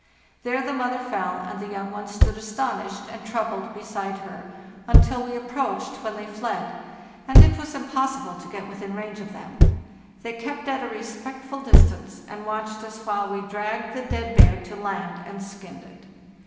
There the mother fell, and the young ones stood astonished and troubled beside her until we ap proached, when they fled, and it was impossible to get within range of them. They kept ata respectful distance, and watched us while we dragged the dead bear to land and skinned it.